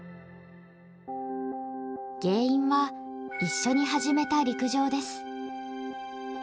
原因は一緒に始めた陸上です。